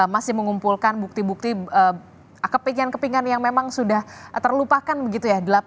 masih mengumpulkan bukti bukti kepingan kepingan yang memang sudah terlupakan begitu ya